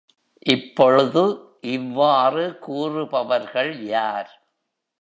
இப்பொழுது, இவ்வாறு கூறுபவர்கள் யார்?